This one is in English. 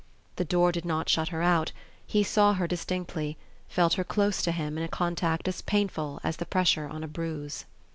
The door did not shut her out he saw her distinctly, felt her close to him in a contact as painful as the pressure on a bruise.